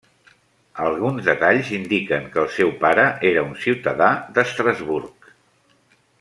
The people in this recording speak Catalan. Alguns detalls indiquen que el seu pare era un ciutadà d'Estrasburg.